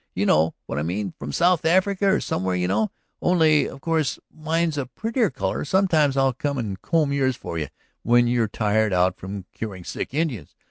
. you know what I mean, from South Africa or somewhere, you know ... only, of course, mine's a prettier color. Sometime I'll come and comb yours for you, when you're tired out from curing sick Indians.